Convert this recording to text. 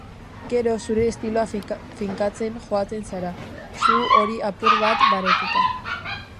Gero, zure estiloa finkatzen joaten zara, su hori apur bat baretuta.